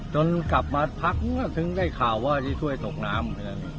จนกลับมาพักถึงได้ข่าวที่ถ้วยตกน้ำ